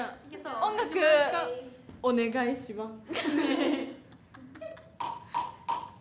音楽お願いします。